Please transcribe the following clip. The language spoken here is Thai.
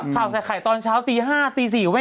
ข่าวไส่ไข่ตอนเช้าตี๕ตี๔มันไม่เคยมา